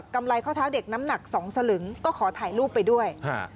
ไรข้อเท้าเด็กน้ำหนักสองสลึงก็ขอถ่ายรูปไปด้วย